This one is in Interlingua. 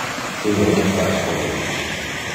Io non te ascolta.